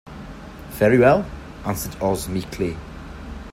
"Very well," answered Oz, meekly.